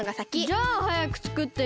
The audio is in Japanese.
じゃあはやくつくってよ！